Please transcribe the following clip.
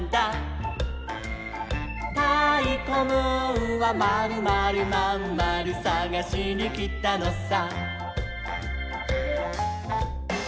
「たいこムーンはまるまるまんまるさがしにきたのさ」